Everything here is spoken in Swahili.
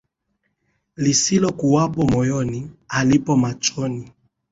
Lisilokuwapo moyoni, halipo machoni